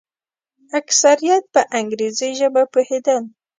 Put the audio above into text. اکثریت په انګریزي ژبه پوهېدل.